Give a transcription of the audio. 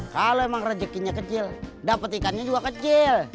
kalau emang rezekinya kecil dapat ikannya juga kecil